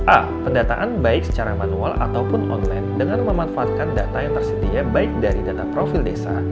a pendataan baik secara manual ataupun online dengan memanfaatkan data yang tersedia baik dari data profil desa